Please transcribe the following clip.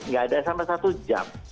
gak ada sampai satu jam